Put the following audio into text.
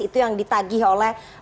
itu yang ditagih oleh